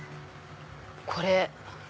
これ。